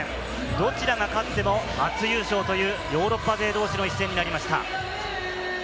どちらが勝っても初優勝というヨーロッパ勢同士の一戦になりました。